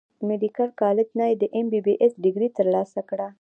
ميديکل کالج نۀ د ايم بي بي ايس ډګري تر لاسه کړه